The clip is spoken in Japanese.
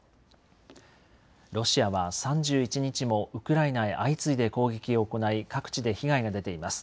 ロシアは３１日もウクライナへ相次いで攻撃を行い、各地で被害が出ています。